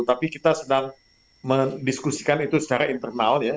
tapi kita sedang mendiskusikan itu secara internal ya